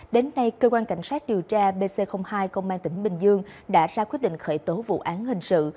đến nay cơ quan cảnh sát điều tra bc hai công an tỉnh bình dương đã ra quyết định khởi tố vụ án hình sự